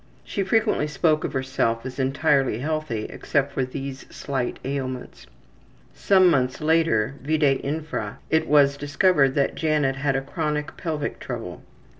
She frequently spoke of herself as entirely healthy except for these slight ailments. Some months later, vide infra, it was discovered that Janet had a chronic pelvic trouble.